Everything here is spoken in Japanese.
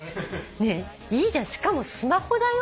いいじゃんしかもスマホだよ。